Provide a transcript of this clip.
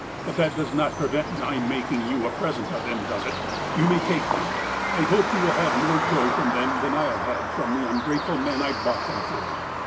But that does not prevent my making you a present of them, does it ? You may take them. I hope you will have more joy from them thau I have had from the ungrateful men I bought them for."